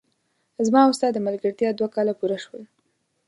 زما او ستا د ملګرتیا دوه کاله پوره شول!